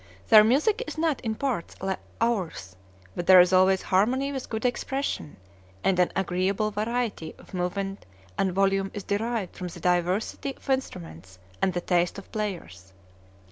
Their music is not in parts like ours, but there is always harmony with good expression, and an agreeable variety of movement and volume is derived from the diversity of instruments and the taste of the players.